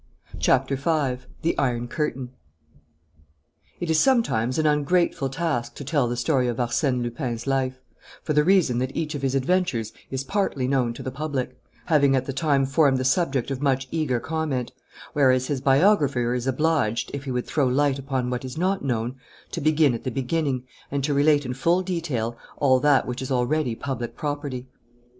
CHAPTER FIVE THE IRON CURTAIN It is sometimes an ungrateful task to tell the story of Arsène Lupin's life, for the reason that each of his adventures is partly known to the public, having at the time formed the subject of much eager comment, whereas his biographer is obliged, if he would throw light upon what is not known, to begin at the beginning and to relate in full detail all that which is already public property.